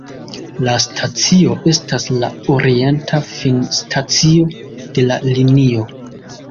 La stacio estas la orienta finstacio de la linio.